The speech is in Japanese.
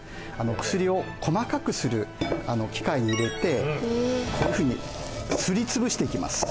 薬を細かくする機械に入れてこういうふうにすり潰していきます。